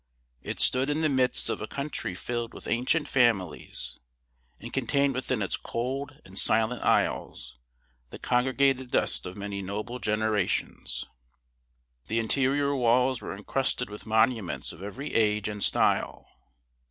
It stood in the midst of a country filled with ancient families, and contained within its cold and silent aisles the congregated dust of many noble generations. The interior walls were encrusted with monuments of every age and style.